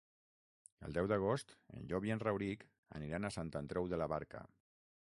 El deu d'agost en Llop i en Rauric aniran a Sant Andreu de la Barca.